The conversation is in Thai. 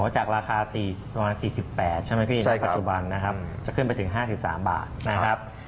จากราคาประมาณ๔๘ใช่ไหมพี่ในปัจจุบันนะครับจะขึ้นไปถึง๕๓บาทนะครับ